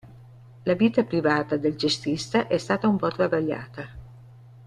La vita privata del cestista è stata un po' travagliata.